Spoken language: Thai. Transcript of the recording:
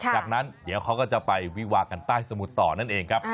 จากนั้นเดี๋ยวเขาก็จะไปวิวากันใต้สมุทรต่อนั่นเองครับ